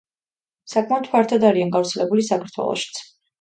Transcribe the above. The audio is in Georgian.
საკმაოდ ფართოდ არიან გავრცელებული საქართველოშიც.